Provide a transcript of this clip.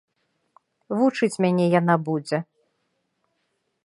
Вучыць мяне яна будзе!